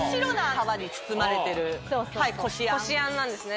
こしあんなんですね。